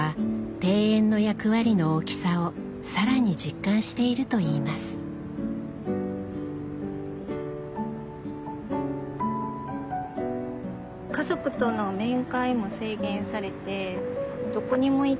家族との面会も制限されてどこにも行けない。